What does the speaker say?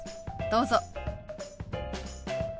どうぞ。